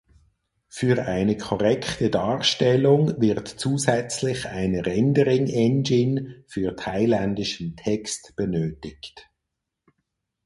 Für eine korrekte Darstellung wird zusätzlich eine Rendering-Engine für thailändischen Text benötigt.